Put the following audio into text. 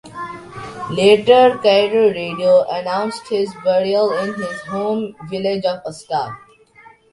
Later, Cairo radio announced his burial in his home village of Astal.